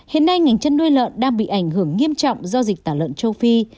hiện nay ngành chăn nuôi lợn đang bị ảnh hưởng nghiêm trọng do dịch tả lợn châu phi